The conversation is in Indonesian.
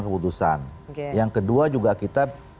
keputusan yang kedua juga kita